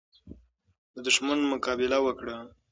د دښمن مقابله وکړه.